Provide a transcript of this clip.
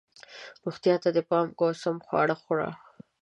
روغتیا ته دې پام کوه ، سم خواړه خوره